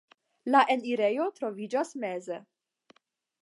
La enirejo troviĝas meze.